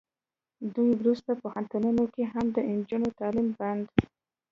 دوی ورسته پوهنتونونو کې هم د نجونو تعلیم بند